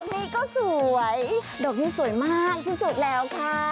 นี่ก็สวยดอกนี้สวยมากที่สุดแล้วค่ะ